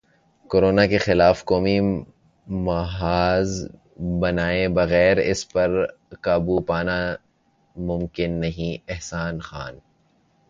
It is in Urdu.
کورونا کے خلاف قومی محاذ بنائے بغیر اس پر قابو پانا ممکن نہیں احسن خان